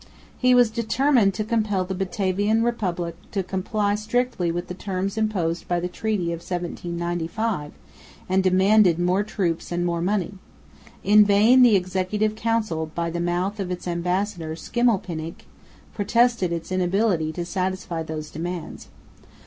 He was determined to compel the Batavian Republic to comply strictly with the terms imposed by the treaty of 1795, and demanded more troops and more money. In vain the Executive Council, by the mouth of its ambassador, Schimmelpenninck, protested its inability to satisfy those demands.